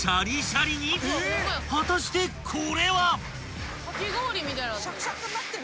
［果たしてこれは⁉］